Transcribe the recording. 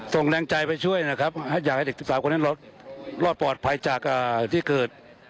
แรงใจไปช่วยนะครับอยากให้เด็ก๑๓คนนั้นเรารอดปลอดภัยจากที่เกิด